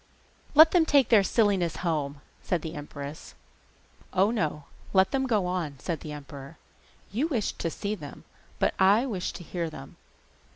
'Let them take their silliness home,' said the empress. 'Oh, no, let them go on,' said the emperor. 'You wished to see them, but I wish to hear them.